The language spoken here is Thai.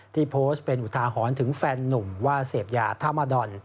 ที่โพสต์เป็นอุทาหรณ์ถึงแฟนนุ่มว่าเสพยาธามาดอน